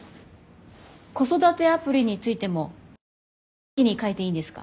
子育てアプリについても好きに書いていいんですか？